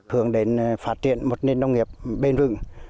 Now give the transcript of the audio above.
hướng đến phát triển một nền nông nghiệp bền rừng